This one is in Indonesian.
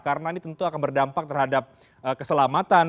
karena ini tentu akan berdampak terhadap keselamatan